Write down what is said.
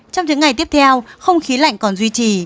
trong những ngày tiếp theo không khí lạnh còn duy trì